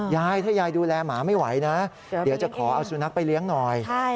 ยายถ้ายายดูแลหมาไม่ไหวนะเดี๋ยวจะขอเอาสุนัขไปเลี้ยงหน่อย